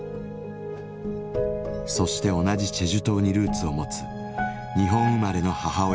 そして同じチェジュ島にルーツを持つ日本生まれの母親と結婚。